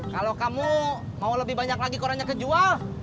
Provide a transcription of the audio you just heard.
kalau kamu mau lebih banyak lagi korannya kejual